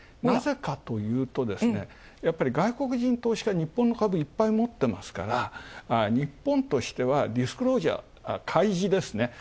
なぜかというと、やっぱり外国人投資家は日本の株いっぱい持ってますから日本としてはリスクロジャー、開示ですね。